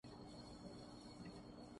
اپنے اداریئے میں انہوں نے تحریر کیا تھا